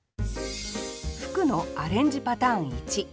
「吹く」のアレンジパターン１。